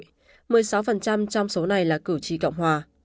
một mươi sáu trong số này là cử tri cộng hòa